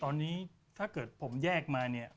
ตอนนี้ถ้าเกิดผมแยกมาเนี่ย